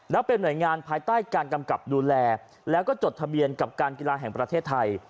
แล้วเป็นหน่วยงานภายใต้การกำกับดูแลแล้วก็จดทะเบียนกับการกีฬาแห่งประเทศไทย